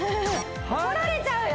怒られちゃうよ！